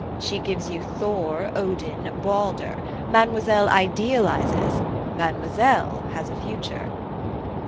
She gives you Thor, Odin, Balder. Mademoiselle idealizes . Mademoiselle has a future